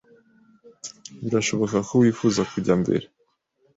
Birashoboka ko wifuza kujya mbere.